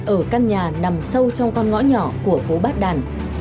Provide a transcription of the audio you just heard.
ở căn nhà nằm sâu trong con ngõ nhỏ của phố bát đàn